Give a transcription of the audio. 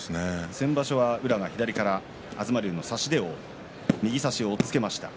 先場所は宇良が左から東龍の差し手を右差しを押っつけました。